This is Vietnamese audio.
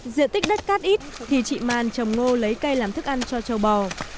diện tích đất cát ít thì chị màn trồng ngô lấy cây làm thức ăn cho châu bò